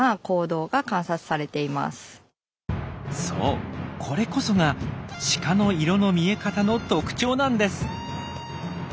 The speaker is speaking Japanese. そうこれこそがシカの色の見え方の特徴なんです。